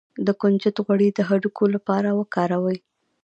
د کنجد غوړي د هډوکو لپاره وکاروئ